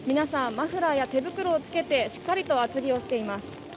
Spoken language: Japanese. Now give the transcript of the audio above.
マフラーや手袋を着けてしっかりと厚着しています。